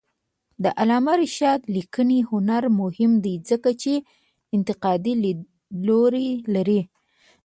د علامه رشاد لیکنی هنر مهم دی ځکه چې انتقادي لیدلوری لري.